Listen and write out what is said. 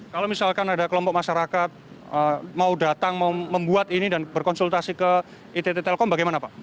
kalau misalkan ada kelompok masyarakat mau datang mau membuat ini dan berkonsultasi ke itt telkom bagaimana pak